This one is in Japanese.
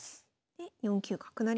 で４九角成。